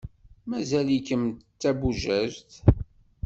Mazal-ikem d tabujadt.